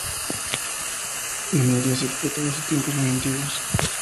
La minería se explota desde tiempos muy antiguos.